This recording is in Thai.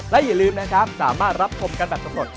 และอย่าลืมนะครับสามารถรับชมกันแบบสำรวจ